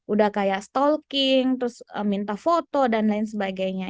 udah kayak stalking terus minta foto dan lain sebagainya